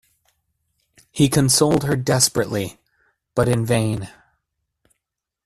He consoled her desperately — but in vain.